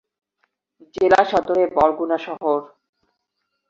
জেলা সদরে বরগুনা শহর।